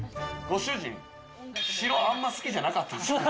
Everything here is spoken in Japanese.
ご主人、白、あんま好きじゃなかったんすね。